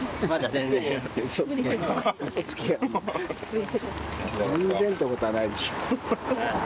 全然ってことはないでしょ。